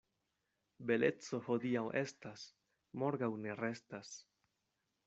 Beleco hodiaŭ estas, morgaŭ ne restas.